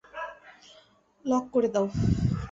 Lock করে দাও।